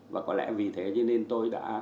và có lẽ vì thế cho nên tôi đã